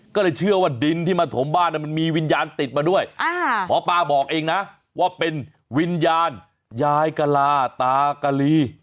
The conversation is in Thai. ก็เลยเชื่อว่าดินที่มาถมบ้านมันมีวิญญาณติดมาด้วยหมอปลาบอกเองนะว่าเป็นวิญญาณยายกะลาตากะลี